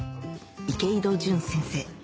池井戸潤先生